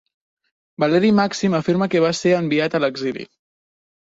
Valeri Màxim afirma que va ser enviat a l'exili.